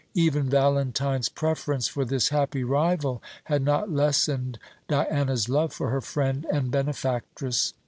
Even Valentine's preference for this happy rival had not lessened Diana's love for her friend and benefactress.